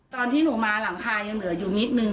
ตอนที่หนูมาหลังคายังเหลืออยู่นิดนึง